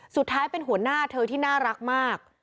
สุดท้ายเป็นหัวหน้าเธอที่น่ารักมาก